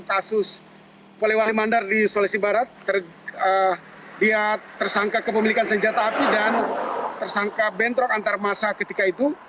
kasus polewali mandar di sulawesi barat dia tersangka kepemilikan senjata api dan tersangka bentrok antar masa ketika itu